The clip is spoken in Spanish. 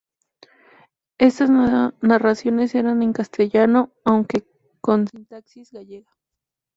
Estas narraciones eran en castellano, aunque con sintaxis gallega.